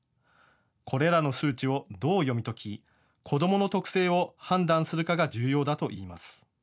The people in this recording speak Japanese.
これらの数値をどう読み解き子どもの特性を判断するかが重要だといいます。